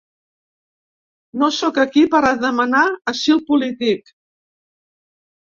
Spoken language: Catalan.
No sóc aquí per a demanar asil polític.